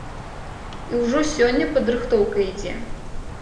І ўжо сёння падрыхтоўка ідзе.